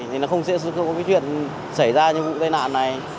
thì nó không sẽ có cái chuyện xảy ra những vụ tai nạn này